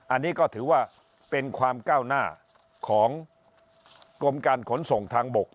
อันนี้ก็ถือว่าเป็นความก้าวหน้าของกรมการขนส่งทางบก